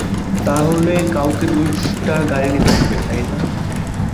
তাহলে কাউকে তো দোষটা ঘাড়ে নিতে হবে, তাই না?